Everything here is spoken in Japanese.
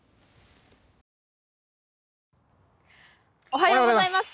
おはようございます！